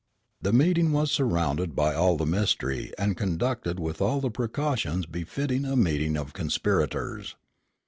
The meeting was surrounded by all the mystery and conducted with all the precautions befitting a meeting of conspirators.